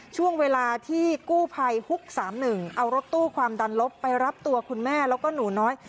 ช่วงเวลาที่กู้ภัยฮุก๓๑เอารถตู้ความดันลบไปรับตัวคุณแม่แล้วก็หนูน้อย